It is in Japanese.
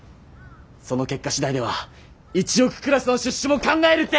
その結果次第では１億クラスの出資も考える」って！